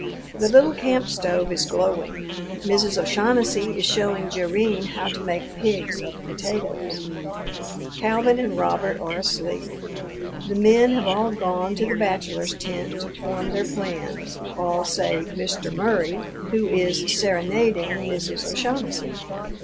The little camp stove is glowing. Mrs. O'Shaughnessy is showing Jerrine how to make pigs of potatoes. Calvin and Robert are asleep. The men have all gone to the bachelors' tent to form their plans, all save Mr. Murry, who is "serenading" Mrs. O'Shaughnessy.